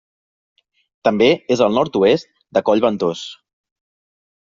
També és al nord-oest de Coll Ventós.